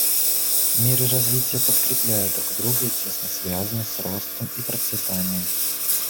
Мир и развитие подкрепляют друг друга и тесно связаны с ростом и процветанием.